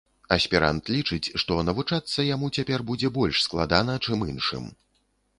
Аспірант лічыць, што навучацца яму цяпер будзе больш складана, чым іншым.